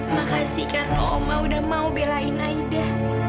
makasih karena oma udah mau belain aida